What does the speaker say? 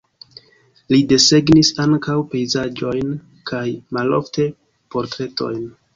Li desegnis ankaŭ pejzaĝojn kaj malofte portretojn.